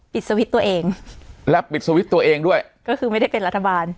สวิตช์ตัวเองและปิดสวิตช์ตัวเองด้วยก็คือไม่ได้เป็นรัฐบาล